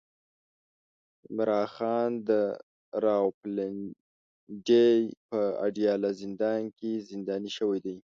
عمران خان د راولپنډۍ په اډياله زندان کې زنداني شوی دی